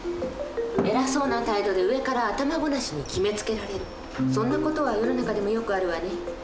偉そうな態度で上から頭ごなしに決めつけられるそんな事は世の中でもよくあるわね。